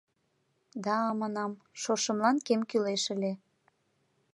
— Да, — манам, — шошымлан кем кӱлеш ыле.